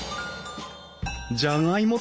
じゃがいも